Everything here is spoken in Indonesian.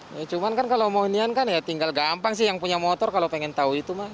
ya cuman kan kalau mau inian kan ya tinggal gampang sih yang punya motor kalau pengen tahu itu mah